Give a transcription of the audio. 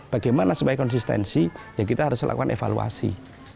bagaimana supaya konsistensi ya kita harus lakukan evaluasi